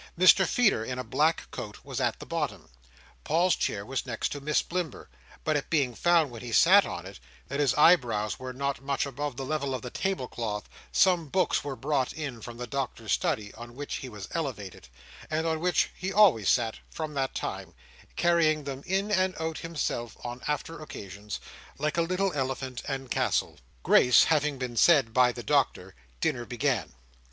Mr Feeder in a black coat was at the bottom. Paul's chair was next to Miss Blimber; but it being found, when he sat in it, that his eyebrows were not much above the level of the table cloth, some books were brought in from the Doctor's study, on which he was elevated, and on which he always sat from that time— carrying them in and out himself on after occasions, like a little elephant and castle. Grace having been said by the Doctor, dinner began.